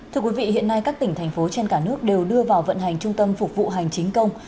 thưa quý vị hiện nay các tỉnh thành phố trên cả nước đều đưa vào vận hành trung tâm phục vụ hành chính công